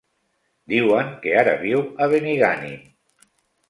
Diuen que ara viu a Benigànim.